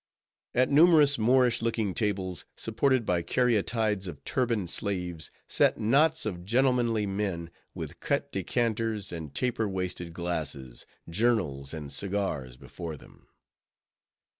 At numerous Moorish looking tables, supported by Caryatides of turbaned slaves, sat knots of gentlemanly men, with cut decanters and taper waisted glasses, journals and cigars, before them.